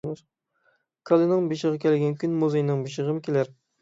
كالىنىڭ بېشىغا كەلگەن كۈن مۇزاينىڭ بېشىغىمۇ كېلەر.